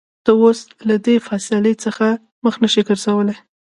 ته اوس له دې فېصلې څخه مخ نشې ګرځولى.